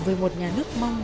với một nhà nước mong